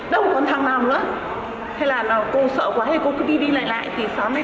thế này đâu còn thằng nào nữa thế là cô sợ quá cô cứ đi đi lại lại